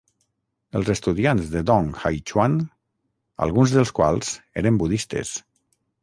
Els estudiants de Dong Haichuan, alguns dels quals eren budistes.